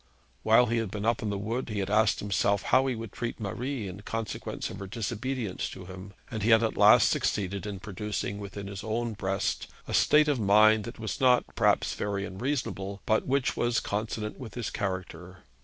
While he had been up in the wood, he had asked himself how he would treat Marie in consequence of her disobedience to him; and he had at last succeeded in producing within his own breast a state of mind that was not perhaps very reasonable, but which was consonant with his character.